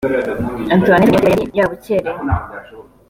Antoinette Niyongira yari yabukereye